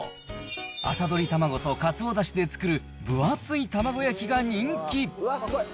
朝取れ卵とかつおだしで作る分厚い玉子焼きが人気。